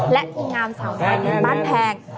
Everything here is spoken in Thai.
และทีงามสาวน้อยเพชรบ้านแพง